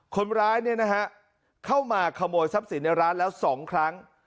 คนร้ายเนี่ยนะฮะเข้ามาขโมยทรัพย์สินภายในร้านแล้วสองครั้ง